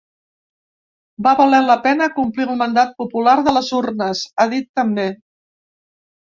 Va valer la pena complir el mandat popular de les urnes, ha dit també.